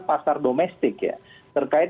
pasar domestik ya terkait